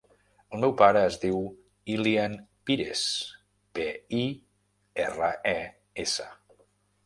El meu pare es diu Ilyan Pires: pe, i, erra, e, essa.